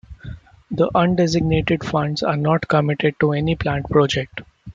The undesignated funds are not committed to any planned project.